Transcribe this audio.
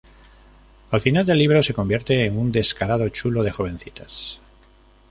Al final del libro se convierte en un descarado chulo de jovencitas.